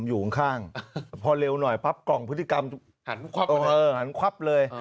อยู่ข้างพอเร็วหน่อยปั๊บกล่องพฤติกรรมหันควับหันควับเลย